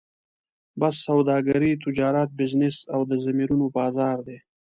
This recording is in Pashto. بس سوداګري، تجارت، بزنس او د ضمیرونو بازار دی.